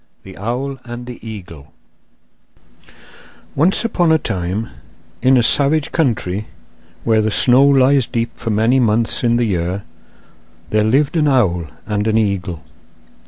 ] The Owl and the Eagle Once upon a time, in a savage country where the snow lies deep for many months in the year, there lived an owl and an eagle.